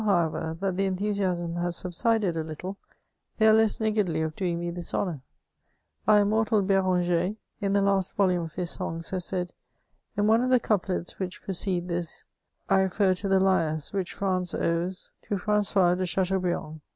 Now, however, that the enthu siasm has subsided a little, they are less niggardly of doing me this honour. Our immortal B^ranger, in the last volume of hts songs, has said, ^* In one of the couplets which precede this I refer to the fyref, which France owes to Francois de Cha 432 MEMOIRS OF teaubriand.